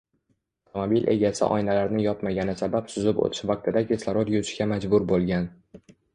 Avtomobil egasi oynalarni yopmagani sabab suzib o‘tish vaqtida kislorod yutishga majbur bo‘lgan